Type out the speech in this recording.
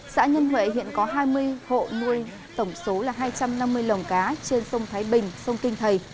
xã nhân huệ hiện có hai mươi hộ nuôi tổng số là hai trăm năm mươi lồng cá trên sông thái bình sông kinh thầy